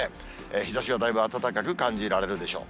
日ざしがだいぶ暖かく感じられるでしょう。